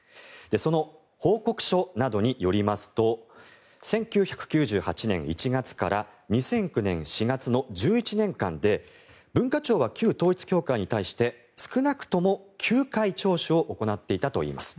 その報告書などによりますと１９９８年１月から２００９年４月の１１年間で文化庁は旧統一教会に対して少なくとも９回、聴取を行っていたといいます。